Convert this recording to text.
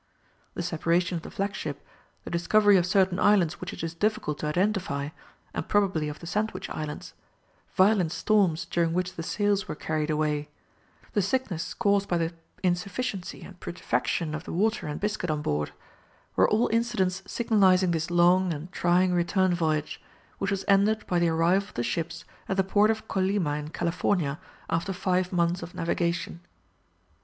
The separation of the flagship, the discovery of certain islands which it is difficult to identify, and probably of the Sandwich Islands; violent storms, during which the sails were carried away; the sickness caused by the insufficiency and putrefaction of the water and biscuit on board, were all incidents signalizing this long and trying return voyage, which was ended by the arrival of the ships at the port of Colima in California after five months of navigation.